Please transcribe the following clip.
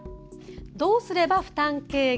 どうすれば負担軽減？